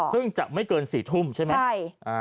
ซึ่งจะไม่เกิน๔ทุ่มใช่ไหม